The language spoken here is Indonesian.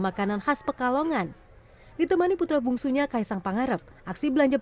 mau lengkap pakai pecinya juga nggak prap